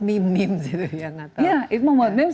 meme meme gitu ya ya membuat meme